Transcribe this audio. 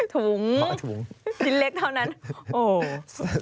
ถุงชิ้นเล็กเท่านั้น